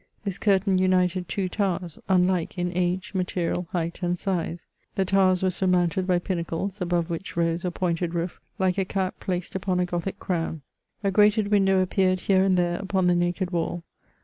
This cnrtaiQ united two towers, unlike in age, material, height and size. The towers were sur mounted hj pinnacles, ahove which rose a pointed roof, like a cap placed upon a gothic crown. A grated window appeared here and there upon the naked wall.